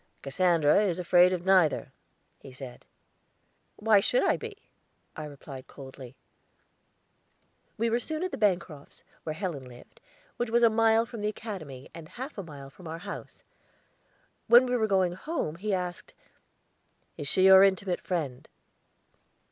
"Cassandra is afraid of neither," he said. "Why should I be?" I replied coldly. We were soon at the Bancrofts', where Helen lived, which was a mile from the Academy, and half a mile from our house. When we were going home, he asked: "Is she your intimate friend?"